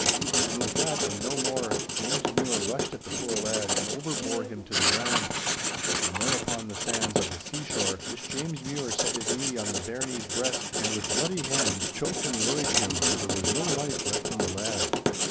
And with that and no more, James Mure rushed at the poor lad and overbore him to the ground. And there upon the sands of the seashore, this James Mure set his knee on the bairnie's breast, and with bloody hands choked and worried him till there was no life left in the lad.